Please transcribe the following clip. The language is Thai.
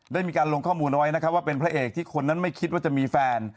ได้มีการลงข้อมูลเอาไว้นะครับว่าเป็นพระเอกที่คนนั้นไม่คิดว่าจะมีแฟน